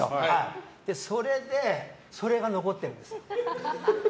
それが残ってるんです。